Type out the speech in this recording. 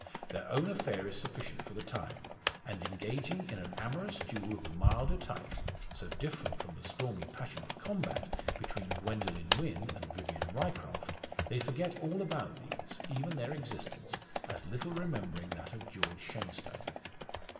Their own affair is sufficient for the time; and engaging in an amorous duel of the milder type so different from the stormy passionate combat between Gwendoline Wynn and Vivian Ryecroft they forget all about these even their existence as little remembering that of George Shenstone.